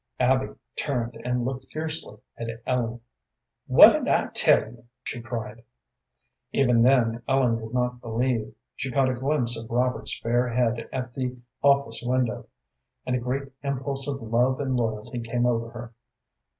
Abby turned and looked fiercely at Ellen. "What did I tell you?" she cried. Even then Ellen would not believe. She caught a glimpse of Robert's fair head at the office window, and a great impulse of love and loyalty came over her.